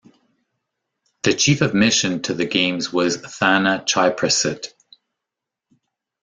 The chief of mission to the games was Thana Chaiprasit.